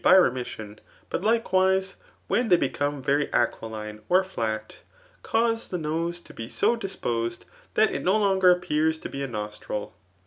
by remissbn, but likewise when they be* come very i aquiline or flat, cause the nose to be so dis * poeed, tbkt it no longer appeacs to be a nostril.